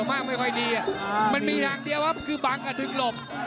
มันมีทางเดียวคือบังกะดึงหลบ